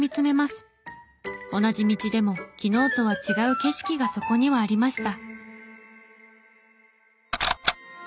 同じ道でも昨日とは違う景色がそこにはありました。